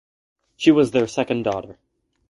She was their second daughter.